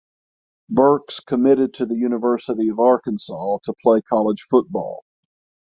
Burks committed to the University of Arkansas to play college football.